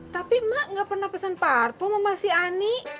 tapi mak nggak pernah pesan parfum sama si ani